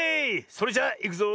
それじゃいくぞ。